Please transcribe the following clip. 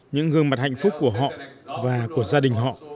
những gương mặt hạnh phúc của họ và của gia đình họ